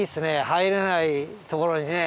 入れないところにね。